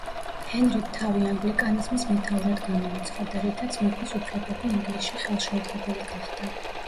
ჰენრიმ თავი ანგლიკანიზმის მეთაურად გამოაცხადა, რითაც მეფის უფლებები ინგლისში ხელშეუხებელი გახდა.